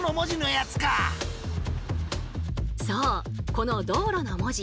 この道路の文字